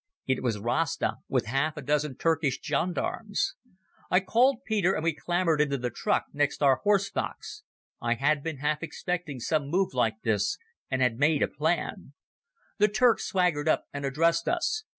It was Rasta, with half a dozen Turkish gendarmes. I called Peter, and we clambered into the truck next our horse box. I had been half expecting some move like this and had made a plan. The Turk swaggered up and addressed us.